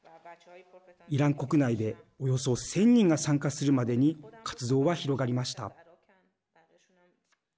イラン国内でおよそ１０００人が参加するまでに活動は広がりました。